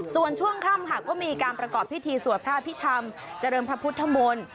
ส่วนช่วงค่ำค่ะก็มีการประกอบพิธีสวดพระอภิษฐรรมเจริญพระพุทธมนต์